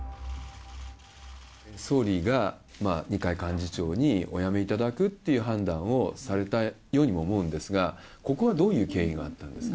総理が二階幹事長にお辞めいただくっていう判断をされたようにも思うんですが、ここはどういう経緯があったんですか？